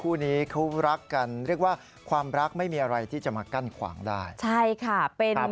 ออสประสัตว์เตียงให้เนี่ย